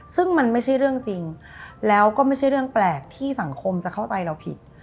ซึ่งมันไม่ใช่เรื่องจริงแล้วก็ไม่ใช่เรื่องแปลกที่สังคมจะเข้าใจเราผิด